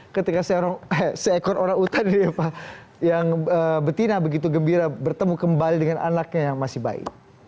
ketika seekor orang utan ya pak yang betina begitu gembira bertemu kembali dengan anaknya yang masih bayi